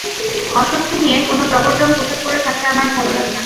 অস্বস্তি নিয়ে কোনো জবরজং পোশাক পরে থাকতে আমার ভালো লাগে না।